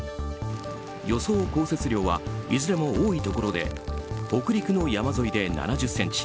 予想降雪量はいずれも多いところで北陸の山沿いで７０ｃｍ